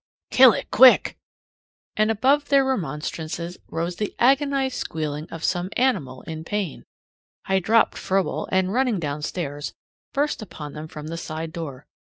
"Kill it quick!" And above their remonstrances rose the agonized squealing of some animal in pain. I dropped Froebel and, running downstairs, burst upon them from the side door.